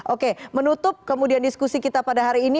oke menutup kemudian diskusi kita pada hari ini